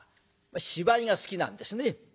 芝居が好きなんですね。